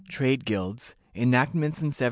Trade Guilds. Enactments in 1700.